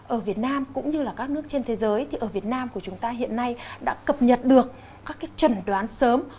ở việt nam cũng như là các nước trên thế giới thì ở việt nam của chúng ta hiện nay đã cập nhật được các cái trần đoán sớm